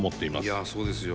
いやそうですよ。